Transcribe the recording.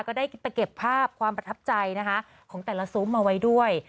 ก็ได้ไปเก็บภาพความประทับใจนะคะของแต่ละซุ้มเอาไว้ด้วย